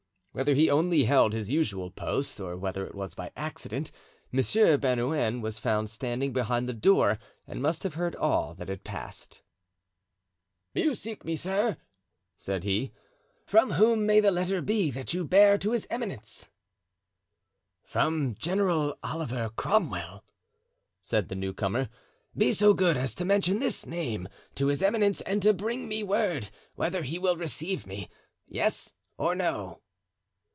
Whether he only held his usual post or whether it was by accident, Monsieur Bernouin was found standing behind the door and must have heard all that had passed. "You seek me, sir," said he. "From whom may the letter be you bear to his eminence?" "From General Oliver Cromwell," said the new comer. "Be so good as to mention this name to his eminence and to bring me word whether he will receive me—yes or no."